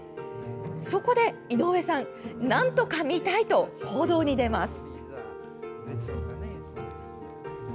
そこで井上さんなんとか見たい！と行動に出ます。